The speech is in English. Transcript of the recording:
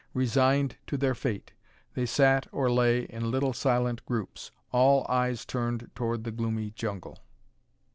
Resigned to their fate, they sat or lay in little silent groups, all eyes turned toward the gloomy jungle.